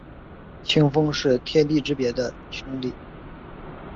清风是天地之别的兄弟。